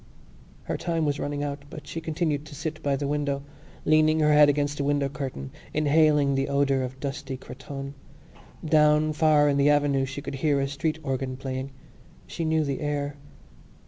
Her time was running out but she continued to sit by the window, leaning her head against the window curtain, inhaling the odour of dusty cretonne. Down far in the avenue she could hear a street organ playing. She knew the air.